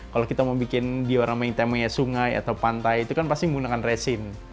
kalau kita mau bikin diorama yang temanya sungai atau pantai itu kan pasti menggunakan resin